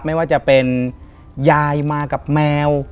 ไม่ว่าจะเป็นยายมากับแมว